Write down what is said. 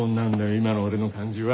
今の俺の感じは。